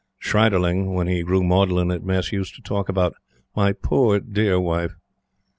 Schreiderling, when he grew maudlin at Mess, used to talk about "my poor dear wife."